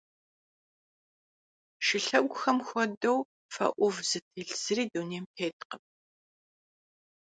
Шылъэгухэм хуэдэу фэ ӏув зытелъ зыри дунейм теткъым.